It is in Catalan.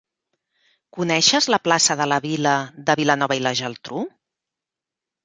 Coneixes la plaça de la vila de Vilanova i la Geltrú?